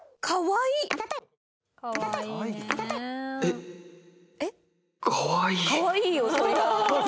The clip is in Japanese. かわいい。